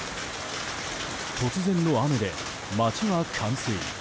突然の雨で街は冠水。